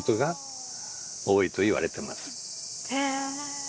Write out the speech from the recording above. へえ。